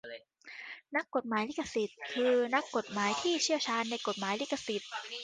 นักกฎหมายลิขสิทธิ์ คือนักกฎหมายที่เชี่ยวชาญในกฎหมายลิขสิทธิ์